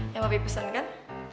yang papi pesankan